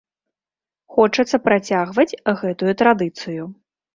Хочацца працягваць гэтую традыцыю.